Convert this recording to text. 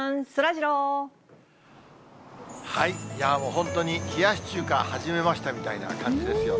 本当に冷やし中華始めましたみたいな感じですよね。